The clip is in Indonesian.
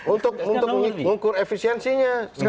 untuk mengukur efisiensinya